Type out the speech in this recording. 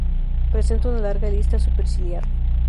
Presenta una larga lista superciliar.